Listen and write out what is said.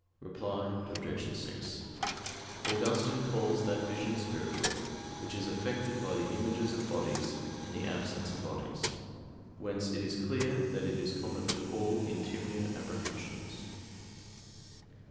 Reply Obj. 6: Augustine calls that vision spiritual which is effected by the images of bodies in the absence of bodies. Whence it is clear that it is common to all interior apprehensions.